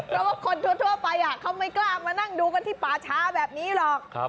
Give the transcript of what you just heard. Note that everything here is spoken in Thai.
เพราะว่าคนทั่วไปเขาไม่กล้ามานั่งดูกันที่ป่าช้าแบบนี้หรอก